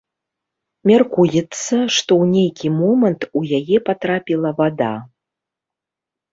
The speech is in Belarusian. Мяркуецца, што ў нейкі момант у яе патрапіла вада.